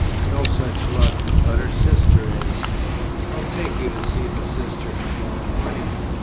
"No such luck. But her sister is. I'll take you to see the sister to morrow morning.